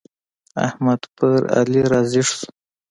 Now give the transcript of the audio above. احمد پر علي را ږيز شو.